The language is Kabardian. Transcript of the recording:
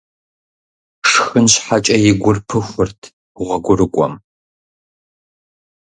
Шхын щхьэкӀэ и гур пыхурт гъуэгурыкӀуэм.